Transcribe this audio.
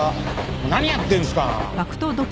何やってるんすか！